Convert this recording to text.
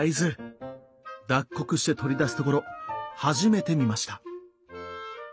脱穀して取り出すところ初めて見ました。